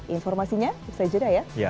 informasinya bisa di juda ya